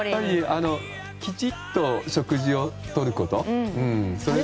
きちっと食事をとること。